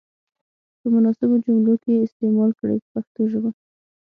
په مناسبو جملو کې یې استعمال کړئ په پښتو ژبه.